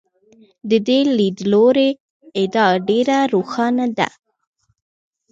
د دې لیدلوري ادعا ډېره روښانه ده.